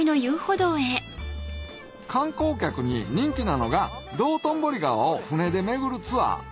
観光客に人気なのが道頓堀川を船で巡るツアー